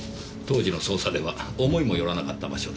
当時の捜査では思いも寄らなかった場所です。